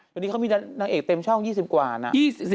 วันนี้เขามีนางเอกเต็มช่อง๒๐กว่านะ